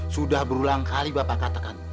sudah berulang kali bapak katakan